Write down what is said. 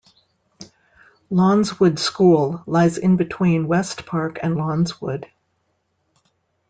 Lawnswood School lies in between West Park and Lawnswood.